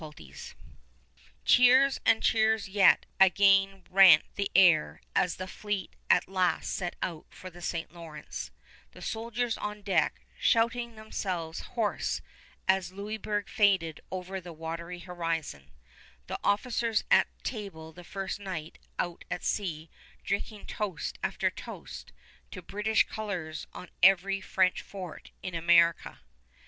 [Illustration: GENERAL JAMES WOLFE] Cheers and cheers yet again rent the air as the fleet at last set out for the St. Lawrence, the soldiers on deck shouting themselves hoarse as Louisburg faded over the watery horizon, the officers at table the first night out at sea drinking toast after toast to British colors on every French fort in America.